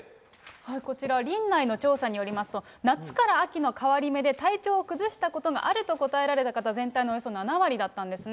こちら、リンナイの調査によりますと、夏から秋の変わり目で、体調を崩したことがあると答えられた方、全体のおよそ７割だったんですね。